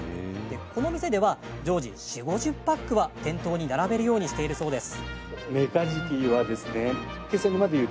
この店では常時４０５０パックは店頭に並べるようにしているそうです。